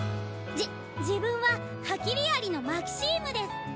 じ自分はハキリアリのマキシームです。